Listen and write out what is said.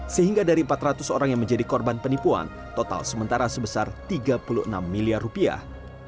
sehingga dari empat ratus orang yang menjadi korban penipuan total sementara sebesar tiga puluh enam miliar rupiah